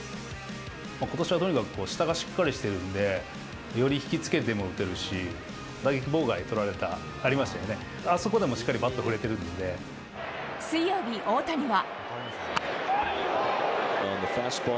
ことしはとにかく、下がしっかりしてるんで、より引き付けても打てるし、打撃妨害とられた、ありましたよね、あそこでも、水曜日、大谷は。